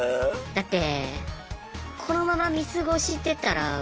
だって。